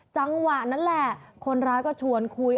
จังหวะนั้นแหละคนร้ายก็ชวนคุย